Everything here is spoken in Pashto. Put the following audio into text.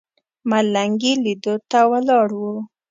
ملنګ یې لیدو ته ولاړ و.